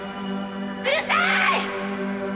うるさい！